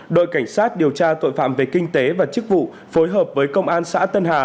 đội cảnh sát điều tra tội phạm về kinh tế và chức vụ phối hợp với công an xã tân hà